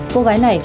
cô gái này